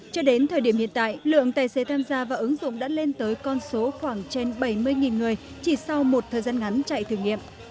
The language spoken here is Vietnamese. cho đến thời điểm hiện tại lượng tài xế tham gia và ứng dụng đã lên tới con số khoảng trên bảy mươi người chỉ sau một thời gian ngắn chạy thử nghiệm